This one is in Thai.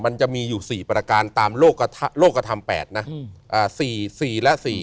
มันจะมีอยู่๔ประการตามโลกกระทำ๘นะ๔๔และ๔